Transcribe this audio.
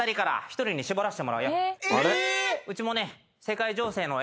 うちもね。